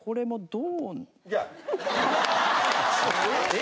え？